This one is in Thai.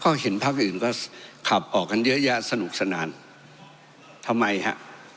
ก็เห็นพักอื่นก็ขับออกกันเยอะแยะสนุกสนานทำไมฮะ